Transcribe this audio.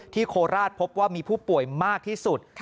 โคราชพบว่ามีผู้ป่วยมากที่สุด